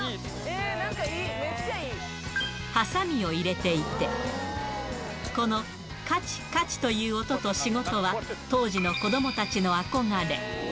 はさみを入れていて、このかちかちという音と仕事は、当時の子どもたちの憧れ。